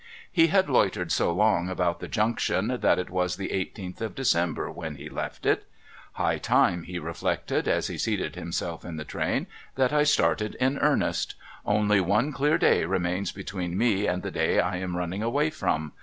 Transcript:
He had loitered so long about the Junction that it was the eighteenth of December when he left it. ' High time,' he reflected, as he seated himself in the train, ' that I started in earnest ! Only one clear day remains between me and the day I am running away from.